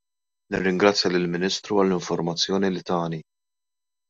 Nirringrazzja lill-Ministru għall-informazzjoni li tani.